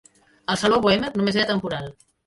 El saló Boehmer només era temporal.